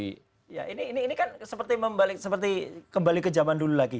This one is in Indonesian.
ini kan seperti kembali ke zaman dulu lagi